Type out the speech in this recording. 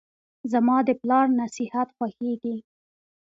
زماد پلار نصیحت خوښیږي.